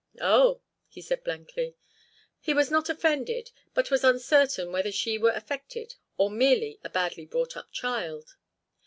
"Oh!" he said, blankly. He was not offended, but was uncertain whether she were affected or merely a badly brought up child.